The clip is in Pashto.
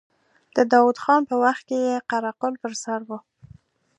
د داود خان په وخت کې يې قره قل پر سر و.